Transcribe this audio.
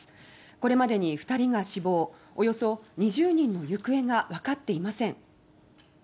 これまでに、２人が死亡およそ２０人の行方がわかっていません。